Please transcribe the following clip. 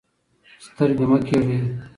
سترګۍ مه کیږئ.